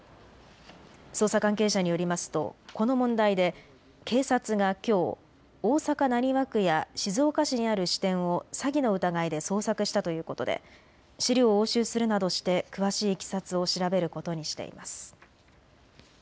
捜査関係者によりますとこの問題で警察がきょう大阪浪速区や静岡市にある支店を詐欺の疑いで捜索したということで資料を押収するなどして詳しいいきさつを調べることにしています。